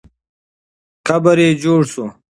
قبر یې جوړ سو.